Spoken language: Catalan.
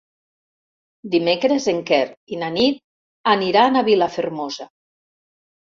Dimecres en Quer i na Nit aniran a Vilafermosa.